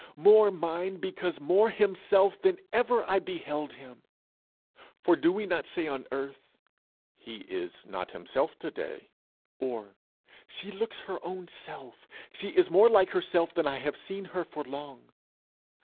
more mine because more himself than ever I beheld him!" For do we not say on earth, "He is not himself to day," or "She looks her own self;" "She is more like herself than I have seen her for long"?